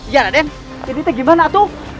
jadi kita gimana tuh